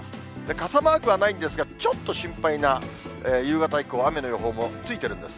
傘マークはないんですが、ちょっと心配な夕方以降、雨の予報もついてるんです。